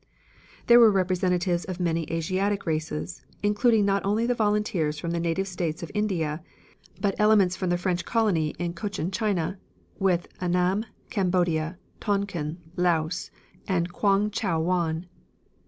There were representatives of many Asiatic races, including not only the volunteers from the native states of India, but elements from the French colony in Cochin China, with Annam, Cambodia, Tonkin, Laos, and Kwang Chau Wan.